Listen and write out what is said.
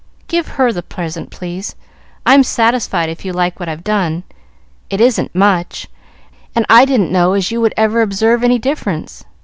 "Give her the present, please; I'm satisfied, if you like what I've done. It isn't much, and I didn't know as you would ever observe any difference.